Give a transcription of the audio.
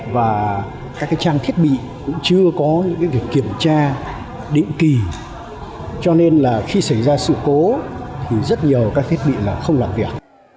và các trang thiết bị cũng chưa có những việc kiểm tra định kỳ cho nên là khi xảy ra sự cố thì rất nhiều các thiết bị là không làm việc